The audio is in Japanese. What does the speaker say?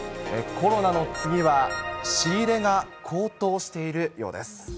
コロナの次は仕入れが高騰しているようです。